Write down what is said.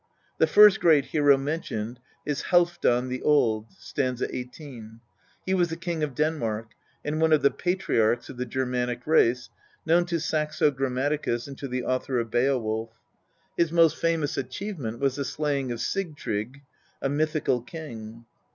The first great hero mentioned is Halfdan the Old (st. 18). He was the king of Denmark, and one of the patriarchs of the Germanic race, known to Saxo Grammaticus and to the author of Beowulf. His most famous achievement was the slaying of Sigtrygg, a mythical king.